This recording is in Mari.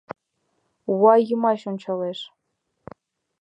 Уа йымач ончалеш.